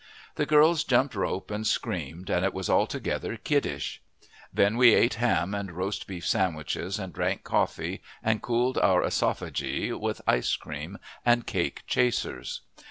The girls jumped rope and screamed, and it was altogether kid dish. Then we ate ham and roast beef sandwiches and drank coffee and cooled our æsophagi with ice cream and cake chasers.